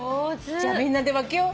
じゃあみんなで分けよう。